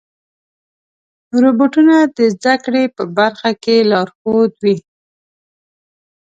روبوټونه د زدهکړې په برخه کې لارښود وي.